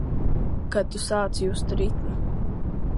Kad tu sāc just ritmu.